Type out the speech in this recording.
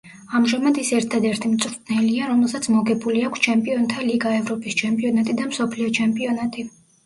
ამჟამად ის ერთადერთი მწვრთნელია, რომელსაც მოგებული აქვს ჩემპიონთა ლიგა, ევროპის ჩემპიონატი და მსოფლიო ჩემპიონატი.